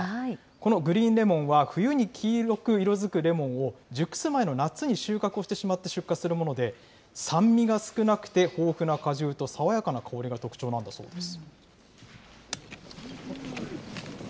このグリーンレモンは、冬に黄色く色づくレモンを、熟す前の夏に収穫をして出荷してしまうもので、酸味が少なくて、豊富な果汁と爽やかな香りが特徴なんだそうです。